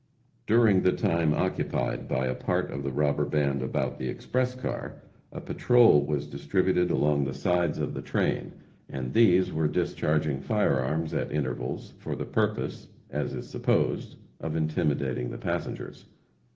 During the time occupied by a part of the robber band about the express car, a patrol was distributed along the sides of the train, and these were discharging fire arms at intervals, for the purpose, as is supposed, of intimidating the passengers.